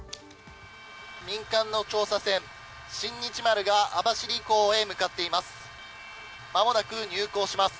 民間の調査船「新日丸」が網走港へ向かっています。